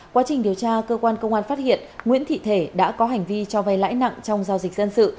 quá trình điều tra cơ quan công an phát hiện nguyễn thị thể đã có hành vi cho vay lãi nặng trong giao dịch dân sự